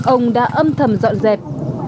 ông đã âm thầm dọn dẹp